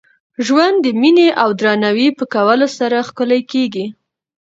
ژوند د میني او درناوي په کولو سره ښکلی کېږي.